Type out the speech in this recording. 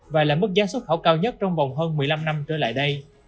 và là mức giá xuất khẩu cao nhất trong vòng hơn một mươi năm năm trở lại đây